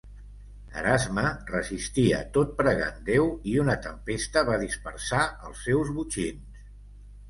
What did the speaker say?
Erasme resistia tot pregant Déu, i una tempesta va dispersar els seus botxins.